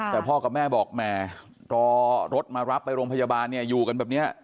แต่พ่อกับแม่บอกแหมรอรถมารับไปโรงพยาบาลเนี่ยอยู่กันแบบนี้